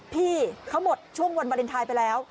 พี่เขาหมดช่วงวันวาเลนไทยไปแล้ว